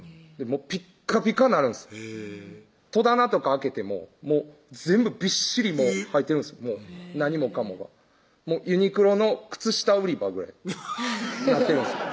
ピッカピカなるんですへぇ戸棚とか開けても全部びっしり入ってるんです何もかもがユニクロの靴下売り場ぐらいなってるんですよ